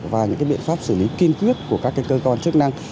và những biện pháp xử lý kiên quyết của các cơ quan chức năng